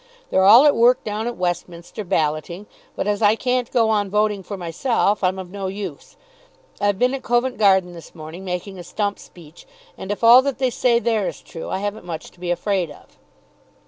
They're all at work down at Westminster, balloting; but as I can't go on voting for myself, I'm of no use. I've been at Covent Garden this morning, making a stump speech, and if all that they say there is true, I haven't much to be afraid of."